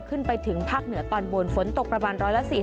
ขึ้นไปถึงภาคเหนือตอนบนฝนตกประมาณ๑๔๐